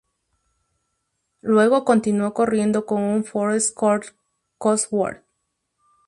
Luego continuó corriendo con un Ford Escort Cosworth.